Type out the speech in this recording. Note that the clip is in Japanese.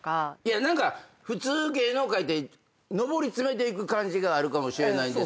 何か普通芸能界って上り詰めていく感じがあるかもしれないんですけど